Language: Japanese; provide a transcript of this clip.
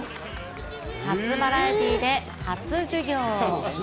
初バラエティで初授業。